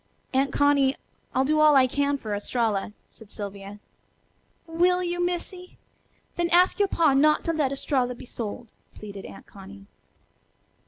"Aunt Connie, I'll do all I can for Estralla," said Sylvia. "Will you, Missy? Then ask yo' pa not to let Estralla be sold," pleaded Aunt Connie.